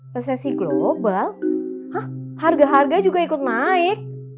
resesi global harga harga juga ikut naik